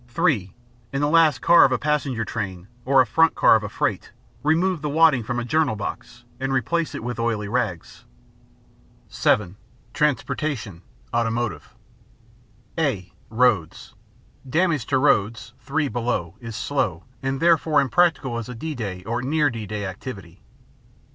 (3) In the last car of a passenger train or or a front car of a freight, remove the wadding from a journal box and replace it with oily rags. (7) Transportation: Automotive (a) Roads. Damage to roads [(3) below] is slow, and therefore impractical as a D day or near D day activity.